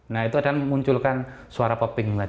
nah itu ada yang memunculkan suara popping